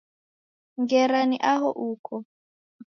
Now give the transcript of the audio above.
Ngera ni aho uko